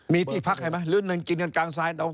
มีที่พักให้ไหมหรือหนึ่งกินกันกลางทราย